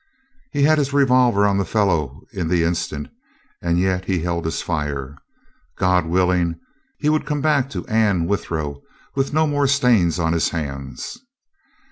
He had his revolver on the fellow in the instant, and yet he held his fire. God willing, he would come back to Anne Withero with no more stains on his hands!